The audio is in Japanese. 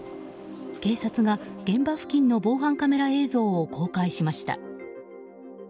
警察が現場付近の防犯カメラ映像を公開しました。